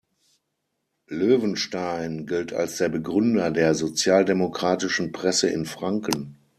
Löwenstein gilt als der Begründer der sozialdemokratischen Presse in Franken.